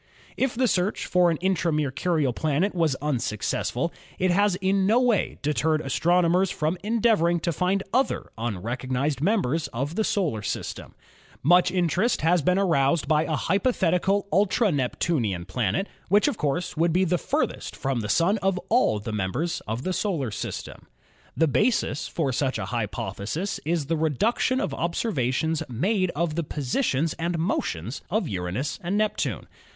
If the search for an intra Mercurial planet was unsuc cessful, it has in no way deterred astronomers from en deavoring to find other unrecognised members of the solar system. Much interest has been aroused by a hypothetical ultra Neptunian planet, which of course would be the furthest from the Sun of all the members of the solar system. The basis for such a hypothesis is the reduction of observations made of the positions and motions of Uranus and Neptune.